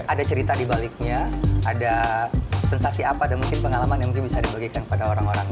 ada cerita di baliknya ada sensasi apa dan mungkin pengalaman yang mungkin bisa dibagikan kepada orang orang